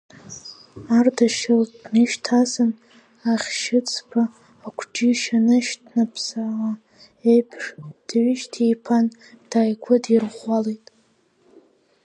Ардашьыл днышьҭасын, ахьшьыцба акәҷышь анышьҭнаԥаауа еиԥш дҩышьҭиԥаан, дааигәыдирӷәӷәалеит.